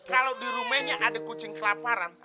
kalau dirumainya ada kucing kelaparan